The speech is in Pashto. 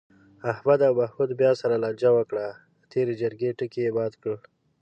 احمد او محمود بیا سره لانجه وکړه، د تېرې جرگې ټکی یې مات کړ.